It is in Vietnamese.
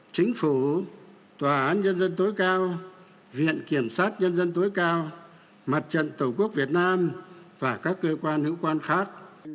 chính phủ tòa án nhân dân tối cao viện kiểm sát nhân dân tối cao mặt trận tổ quốc việt nam và các cơ quan hữu quan khác